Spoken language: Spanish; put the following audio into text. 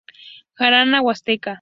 Jarana huasteca.